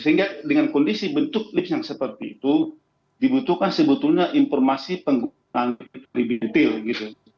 sehingga dengan kondisi bentuk lips yang seperti itu dibutuhkan sebetulnya informasi penggunaan lebih detail gitu